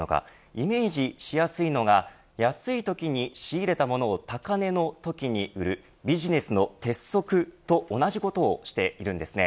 イメージしやすいのが安いときに仕入れたものを高値のときに売るビジネスの鉄則と同じことをしているんですね。